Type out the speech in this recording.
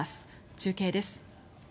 中継です。